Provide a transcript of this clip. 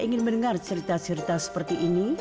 ingin mendengar cerita cerita seperti ini